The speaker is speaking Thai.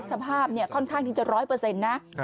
สภาพเนี่ยค่อนข้างถึงจะ๑๐๐นะ